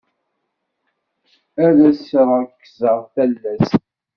Ad as-ṛekzeɣ talast.